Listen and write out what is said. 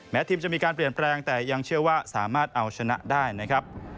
ทีมจะมีการเปลี่ยนแปลงแต่ยังเชื่อว่าสามารถเอาชนะได้นะครับ